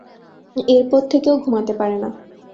এরপর থেকে ও ঘুমাতে পারে না।